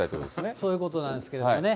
そういうことなんですけれどもね。